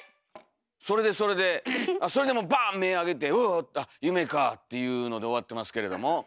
それでそれでそれでもうバッ目開けて「うわっ⁉あ夢か」っていうので終わってますけれども。